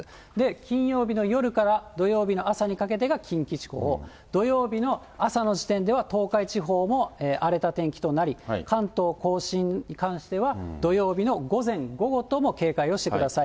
金曜日の夜から土曜日の朝にかけてが近畿地方、土曜日の朝の時点では東海地方も荒れた天気となり、関東甲信に関しては、土曜日の午前、午後とも警戒をしてください。